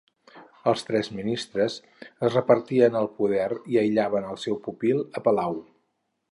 Els tres ministres es repartien el poder i aïllaven al seu pupil a palau.